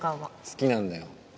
好きなんだよ